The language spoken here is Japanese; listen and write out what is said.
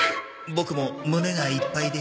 ボクも胸がいっぱいで。